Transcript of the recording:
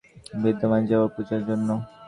তারপর আমরা সবাই তৈরি হয়ে বৃন্দাবন যাবো, পূজা জন্য।